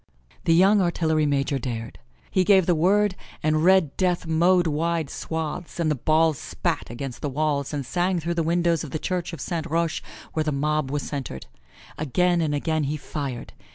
The young artillery major dare. He gave the word and red death mowed wide swaths, and the balls spat against the walls and sang through the windows of the Church of Saint Roche where the mob was centered. Again and again he fired.